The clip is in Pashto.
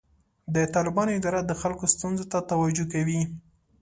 د طالبانو اداره د خلکو ستونزو ته توجه کوي.